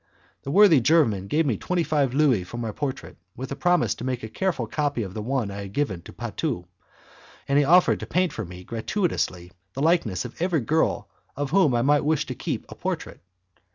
The worthy German gave me twenty five louis for my portrait, with a promise to make a careful copy of the one I had given to Patu, and he offered to paint for me gratuitously the likeness of every girl of whom I might wish to keep a portrait.